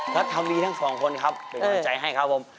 ครับทำดีทั้งสองคนครับเป็นกำลังใจให้ครับผม